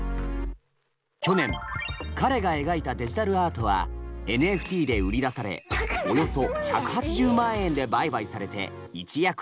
去年彼が描いたデジタルアートはＮＦＴで売り出されおよそ１８０万円で売買されて一躍有名に。